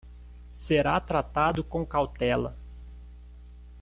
Será tratado com cautela